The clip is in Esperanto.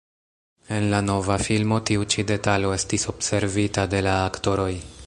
En la nova filmo tiu ĉi detalo estis observita de la aktoroj.